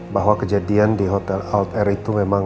bahwa kejadian di hotel altair itu memang